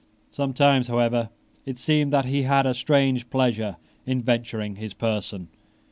Sometimes, however, it seemed that he had a strange pleasure in venturing his person.